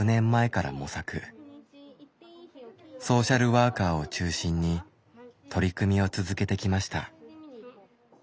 ソーシャルワーカーを中心に取り組みを続けてきました。